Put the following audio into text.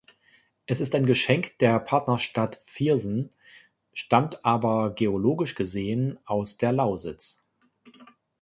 Er ist ein Geschenk der Partnerstadt Viersen, stammt aber, geologisch gesehen, aus der Lausitz.